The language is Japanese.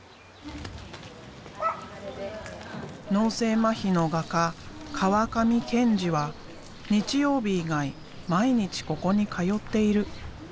脳性まひの画家川上建次は日曜日以外毎日ここに通っている。